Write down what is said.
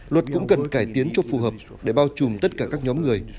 luật cũng cần cải tiến cho phù hợp để bao trùm tất cả các nhóm người